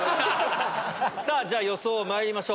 さあ、じゃあ、予想まいりましょう。